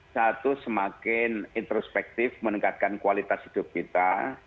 satu semakin introspektif meningkatkan kualitas hidup kita